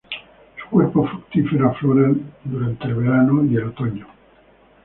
Su cuerpo fructífero aflora en durante el verano y el otoño.